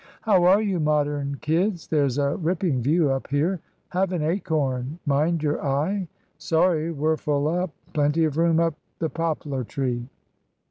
"How are you, Modern kids? There's a ripping view up here. Have an acorn? Mind your eye. Sorry we're full up. Plenty of room up the poplar tree."